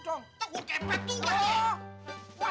tunggu kepet tuh wajah